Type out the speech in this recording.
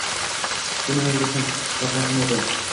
«Sen nima bilasan, Farzandi nodon